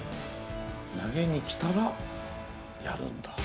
投げにきたらやるんだ。